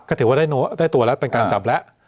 ก็ถือว่าได้ตัวแล้วเป็นการจับแล้ว